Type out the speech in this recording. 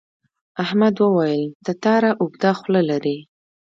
احمد وویل تتارا اوږده خوله لري.